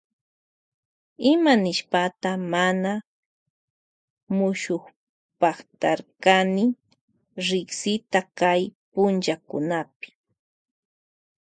Imashpata mana mushukpaktarkani riksita kay pachakunapi.